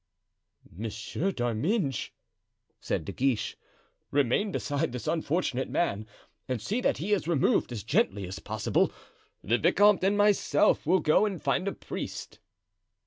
"Monsieur d'Arminges," said De Guiche, "remain beside this unfortunate man and see that he is removed as gently as possible. The vicomte and myself will go and find a priest."